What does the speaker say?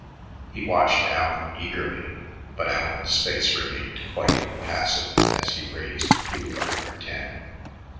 He watched Allen eagerly, but Allen's face remained quite impassive as he raised Hugh another ten.